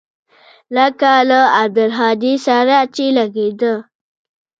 لکه له عبدالهادي سره چې لګېده.